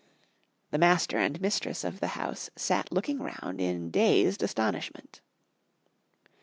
The master and mistress of the house sat looking round in dazed astonishment.